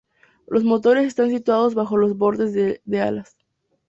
Los motores están situados bajo los bordes de alas.